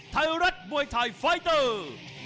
ไทยรัฐมวยไทยไฟเตอร์